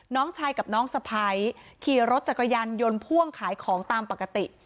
น้องชายกับน้องสะพ้ายขี่รถจักรยานยนต์พ่วงขายของตามปกติ